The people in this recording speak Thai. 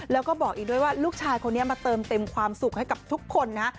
แล้วก็บอกอีกด้วยว่าลูกชายคนนี้มาเติมเต็มความสุขให้กับทุกคนนะ